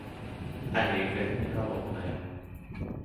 Але і гэта не галоўнае.